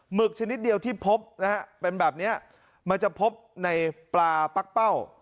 ึกชนิดเดียวที่พบนะฮะเป็นแบบนี้มันจะพบในปลาปั๊กเป้า